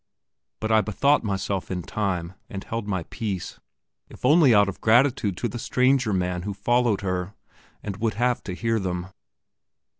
But I bethought myself in time, and held my peace, if only out of gratitude to the stranger man who followed her, and would have to hear them.